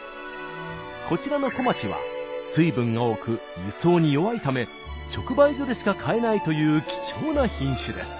こちらの小町は水分が多く輸送に弱いため直売所でしか買えないという貴重な品種です。